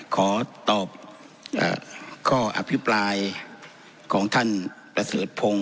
ขอตอบข้ออภิปรายของท่านประเสริฐพงศ